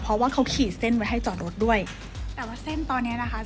เพราะว่าเขาขี่เส้นไว้ให้จอดรถด้วยแต่ว่าเส้นตอนเนี้ยนะคะ